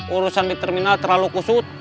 urusan di terminal terlalu kusut